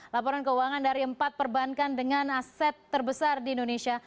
laporan keuangan dari empat perbankan dengan aset terbesar di indonesia